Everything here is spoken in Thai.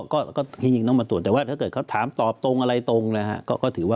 ก็จริงต้องมาตรวจแต่ว่าถ้าเกิดเขาถามตอบตรงอะไรตรงนะฮะ